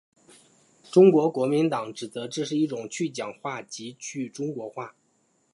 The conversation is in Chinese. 中国国民党指责这是一种去蒋化及去中国化。